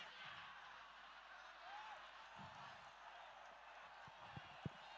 menurun dari kakek ke cucu